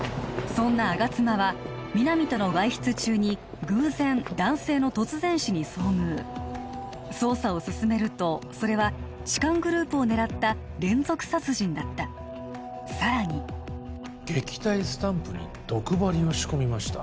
そんな吾妻は皆実との外出中に偶然男性の突然死に遭遇捜査を進めるとそれは痴漢グループを狙った連続殺人だったさらに「撃退スタンプに毒針を仕込みました」